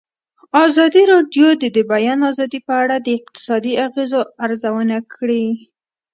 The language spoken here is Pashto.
ازادي راډیو د د بیان آزادي په اړه د اقتصادي اغېزو ارزونه کړې.